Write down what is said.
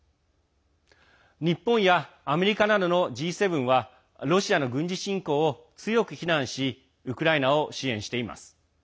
日本やアメリカなどのＧ７はロシアの軍事侵攻を強く非難しウクライナを支援しています。